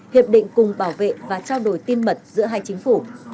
hiệp định cùng bảo vệ và trao đổi tin mật giữa hai chính phủ